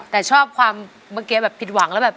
แต่ชอบความเมื่อกี้แบบผิดหวังแล้วแบบ